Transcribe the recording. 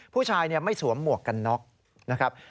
ผู้ชายไม่สวมหมวกกันน็อกนะครับ